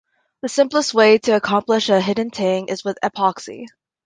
The simplest way to accomplish a hidden tang is with epoxy.